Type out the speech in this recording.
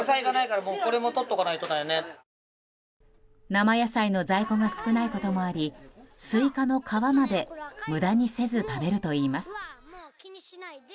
生野菜の在庫が少ないこともありスイカの皮まで無駄にせず食べるといいます。